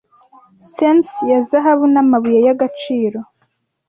semes ya zahabu namabuye y'agaciro